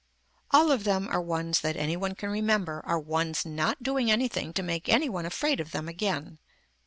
All of them are ones that any one can remember are ones not doing anything to make any one afraid of them again.